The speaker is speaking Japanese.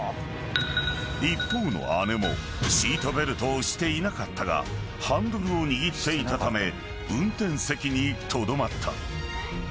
［一方の姉もシートベルトをしていなかったがハンドルを握っていたため運転席にとどまった］